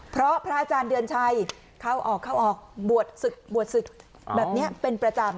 เพราะพระอาจารย์เดือนชัยเข้าออกเข้าออกบวชศึกบวชศึกแบบนี้เป็นประจำ